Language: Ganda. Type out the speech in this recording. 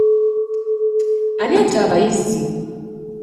Ani atta abayizi?